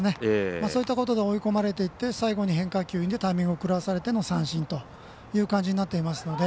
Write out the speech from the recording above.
そういったことで追い込まれていって最後に変化球でタイミングを狂わされての三振となってます。